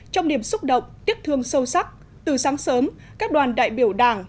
trong niềm xúc động tiếc thương sâu sắc từ sáng sớm các đoàn đại biểu đảng